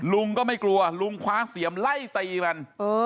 ลุงก็ไม่กลัวลุงคว้าเสียมไล่ตีมัน